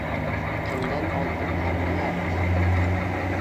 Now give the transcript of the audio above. Kimdan oldim tarbiyat?